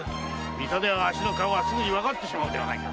水戸ではわしの顔はすぐにわかってしまうではないか。